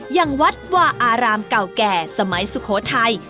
อย่างวัดวาอารามเก่าแก่สมัยสุโขทัย